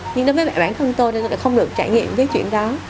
nhưng đối với bản thân tôi là không được trải nghiệm cái chuyện đó